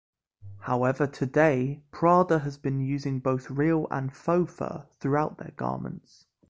However, today, Prada has been using both real and faux fur throughout their garments.